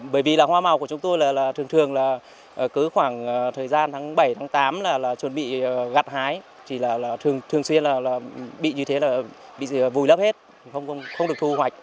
bởi vì là hoa màu của chúng tôi là thường thường là cứ khoảng thời gian tháng bảy tháng tám là chuẩn bị gặt hái thì là thường xuyên là bị như thế là bị vùi lấp hết không được thu hoạch